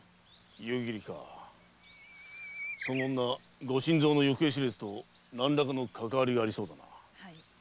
夕霧かその女ご新造の行方知れずと何らかのかかわりがありそうだな。